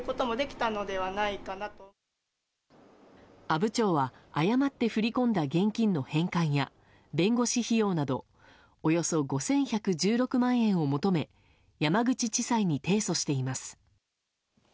阿武町は誤って振り込んだ現金の返還や弁護士費用などおよそ５１１６万円を求め山口地裁に提訴しています。